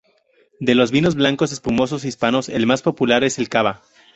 De los vinos blancos espumosos hispanos el más popular es el cava.